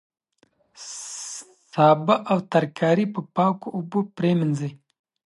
سابه او ترکاري په پاکو اوبو پریمنځئ.